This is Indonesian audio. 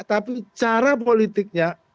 tapi cara politiknya